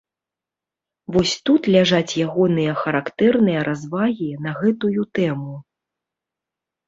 Вось тут ляжаць ягоныя характэрныя развагі на гэтую тэму.